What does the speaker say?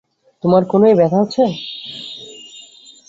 তোমার কনুইয়ে ব্যথা হচ্ছে?